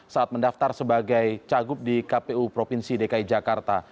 saat mendaftar sebagai cagup di kpu provinsi dki jakarta